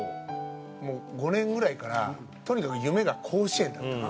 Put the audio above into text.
もう５年ぐらいからとにかく夢が甲子園だったの。